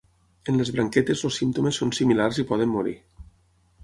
En les branquetes els símptomes són similars i poden morir.